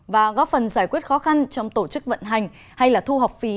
và góp phần giải quyết khó khăn trong tổ chức vận hành hay thu học phí